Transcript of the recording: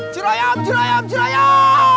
cura yam cura yam cura yam